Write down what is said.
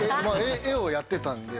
絵をやってたんで。